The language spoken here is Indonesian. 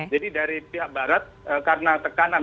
jadi dari pihak barat karena tekanan